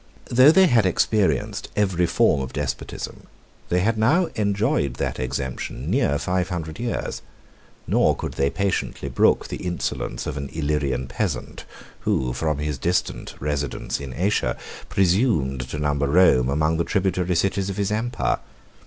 Though they had experienced every form of despotism, they had now enjoyed that exemption near five hundred years; nor could they patiently brook the insolence of an Illyrian peasant, who, from his distant residence in Asia, presumed to number Rome among the tributary cities of his empire.